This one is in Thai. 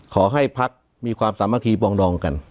ขอให้ภักษ์มีความสามัคคีปรองรองกัน